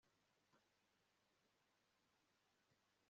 batorwa n'inama y'ubuyobozi mu banyamuryango